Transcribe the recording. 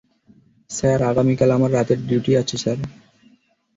Sir, আগামীকাল আমার রাতের ডিউটি আছে, স্যার।